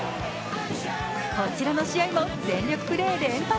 こちらの試合も全力プレー連発。